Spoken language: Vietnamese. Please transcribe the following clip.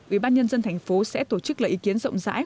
ubnd tp sẽ tổ chức lấy ý kiến rộng rãi